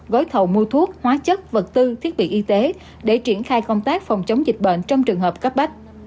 gói thầu mua thuốc hóa chất vật tư thiết bị y tế để triển khai công tác phòng chống dịch bệnh trong trường hợp cấp bách